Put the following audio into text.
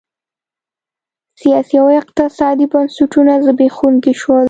سیاسي او اقتصادي بنسټونه زبېښونکي شول